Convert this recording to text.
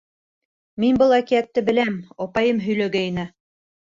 Мин был әкиәтте беләм, апайым һөйләгәйне.